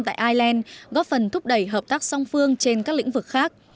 tại ireland góp phần thúc đẩy hợp tác song phương trên các lĩnh vực khác